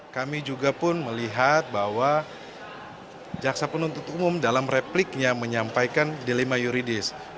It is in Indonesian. kami juga pun melihat bahwa jaksa penuntut umum dalam repliknya menyampaikan dilema yuridis